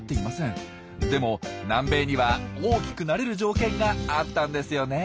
でも南米には大きくなれる条件があったんですよね？